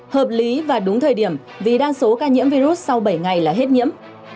hợp lý và đúng thời điểm vì đa số ca nhiễm virus sau bảy ngày là hết nhiễm